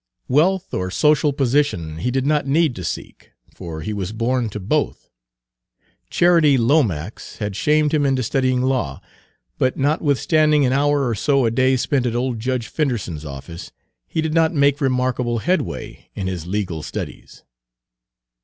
Wealth or social position he did not need to seek, for he was born to both. Charity Lomax had shamed him into studying law, but notwithstanding an hour or so a day spent at old Judge Fenderson's office, he did not make remarkable headway in his legal studies.